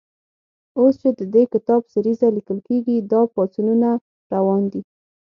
اوس چې د دې کتاب سریزه لیکل کېږي، دا پاڅونونه روان دي.